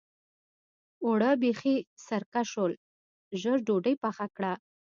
اوړه بېخي سرکه شول؛ ژر ډودۍ پخه کړه.